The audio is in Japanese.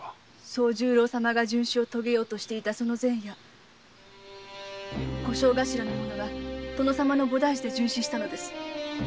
惣十郎様が殉死を遂げようとしていたその前夜小姓頭の者が殿様の菩提寺で殉死したのです。